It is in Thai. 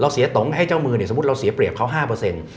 เสียตงให้เจ้ามือเนี่ยสมมุติเราเสียเปรียบเขา๕เปอร์เซ็นต์